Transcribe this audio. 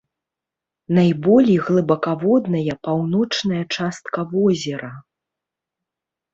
Найболей глыбакаводная паўночная частка возера.